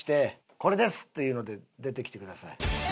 これです！っていうので出てきてください。